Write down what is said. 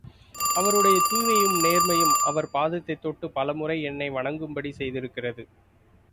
அவருடைய தூய்மையும் நேர்மையும் அவர் பாதத்தைத் தொட்டு, பலமுறை என்னை வணங்கும்படி செய்திருக்கிறது.